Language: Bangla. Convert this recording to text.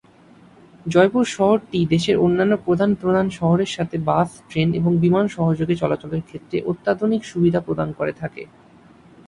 জয়পুর শহরটি দেশের অন্যান্য প্রধান প্রধান শহরের সাথে বাস, ট্রেন এবং বিমান সহযোগে চলাচলের ক্ষেত্রে অত্যাধুনিক সুবিধা প্রদান করে থাকে।